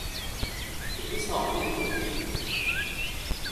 Det blir snart mulet igen.